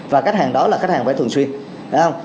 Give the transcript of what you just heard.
và khách hàng đó là khách hàng phải thường xuyên